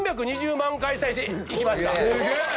すげえ！